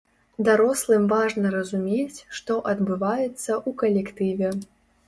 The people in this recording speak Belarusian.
Дарослым важна разумець, што адбываецца ў калектыве.